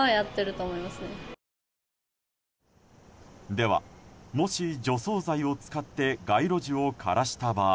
では、もし除草剤を使って街路樹を枯らした場合